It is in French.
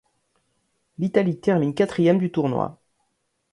L'Italie termine quatrième du tournoi.